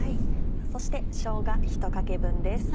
そしてしょうが１かけ分です。